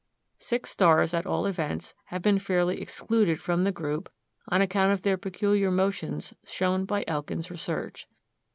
Six stars at all events have been fairly excluded from the group on account of their peculiar motions shown by Elkin's research.